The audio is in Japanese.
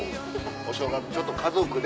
お正月ちょっと家族で。